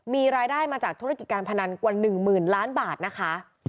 มีรายได้มาจากธุรกิจการพนันกว่า๑หมื่นล้านบาทนะคะ